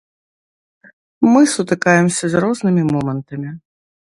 Мы сутыкаемся з рознымі момантамі.